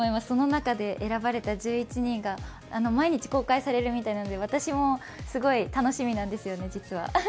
その中で選ばれた１１人が毎日公開されるみたいなので、私もすごい楽しみなんですよね、実は。